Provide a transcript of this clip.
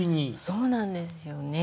そうなんですよね。